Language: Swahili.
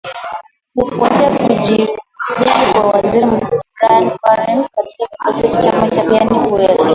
kufuatia kujiuzulu kwa waziri mkuu brian carwen kama kiongozi wa chama cha fiana fiel